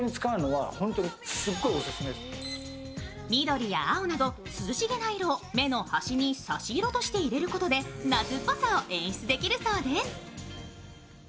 緑や青など涼しげな色を目の端に差し色として入れることで夏っぽさを演出できるそうです。